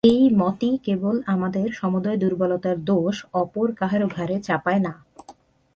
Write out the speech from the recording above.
এই মতই কেবল আমাদের সমুদয় দুর্বলতার দোষ অপর কাহারও ঘাড়ে চাপায় না।